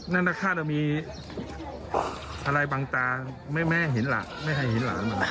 นั่นคาดว่ามีอะไรบังตาไม่ให้เห็นหลานมัน